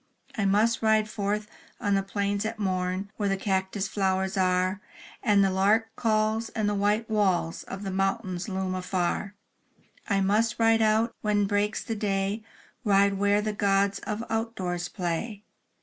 I must ride forth on the plains at morn, Where the cactus flowers are, And the lark calls, and the white walls Of the mountain loom afar; I must ride out, when breaks the day — Ride where the gods of outdoors play.